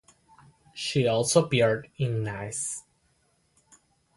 She also appeared in Nice.